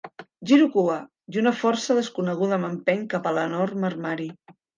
Giro cua i una força desconeguda m'empeny cap a l'enorme armari.